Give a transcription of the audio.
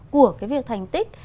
của cái việc thành tích